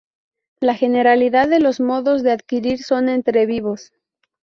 La generalidad de los modos de adquirir son entre vivos.